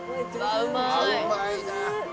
うまいな！